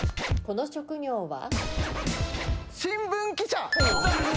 この職業は？